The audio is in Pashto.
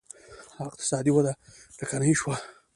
اقتصادي وده ټکنۍ شوه